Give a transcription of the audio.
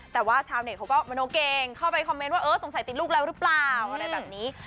แต่ว่าชาวเน็ตเขาก็มโนเก่งเข้าไปคอมเมนต์ว่าเออสงสัยติดลูกแล้วหรือเปล่าอะไรแบบนี้